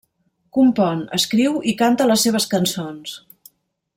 Compon, escriu i canta les seves cançons.